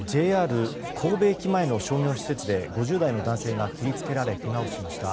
ＪＲ神戸駅前の商業施設で５０代の男性が切り付けられ、けがをしました。